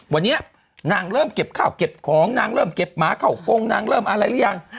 วันนี้นางเริ่มเก็บข้าวเก็บของนางเริ่มเก็บหมาเข้ากงนางเริ่มอะไรหรือยัง